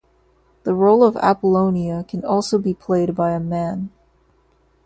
The role of Apollonia can also be played by a man.